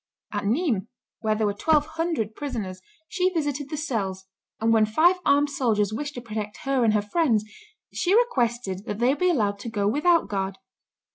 At Nismes, where there were twelve hundred prisoners, she visited the cells, and when five armed soldiers wished to protect her and her friends, she requested that they be allowed to go without guard.